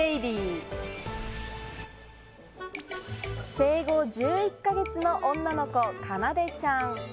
生後１１か月の女の子、かなでちゃん。